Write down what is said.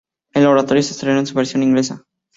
El oratorio se estrenó en su versión inglesa.